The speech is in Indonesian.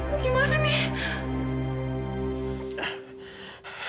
aduh gimana nih